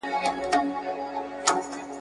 هم غل هم غمخور ,